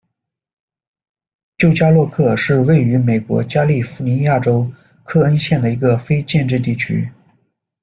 旧加洛克是位于美国加利福尼亚州克恩县的一个非建制地区。